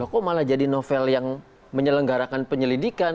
kok malah jadi novel yang menyelenggarakan penyelidikan